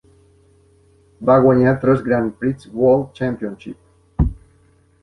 Va guanyar tres Grand Prix World Championship.